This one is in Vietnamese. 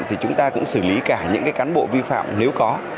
thì chúng ta cũng xử lý cả những cán bộ vi phạm nếu có